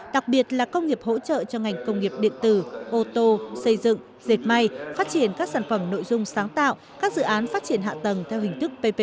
đặc biệt là công nghiệp hỗ trợ cho ngành công nghiệp điện tử ô tô xây dựng dệt may phát triển các sản phẩm nội dung sáng tạo các dự án phát triển hạ tầng theo hình thức ppp